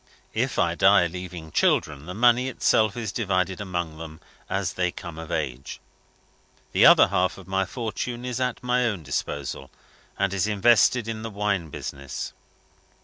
If I die, leaving children, the money itself is divided among them, as they come of age. The other half of my fortune is at my own disposal, and is invested in the wine business.